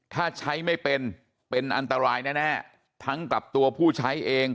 ถ้าใช้ไม่เป็นเป็นอันตรายแน่ทั้งกับตัวผู้ใช้เอง